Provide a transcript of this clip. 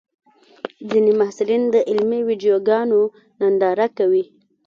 ځینې محصلین د علمي ویډیوګانو ننداره کوي.